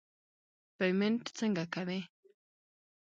پیمنټ څنګه کوې.